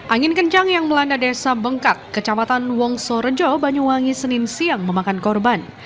angin kencang yang melanda desa bengkak kecamatan wongso rejo banyuwangi senin siang memakan korban